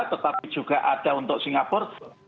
tetapi juga ada untuk singapura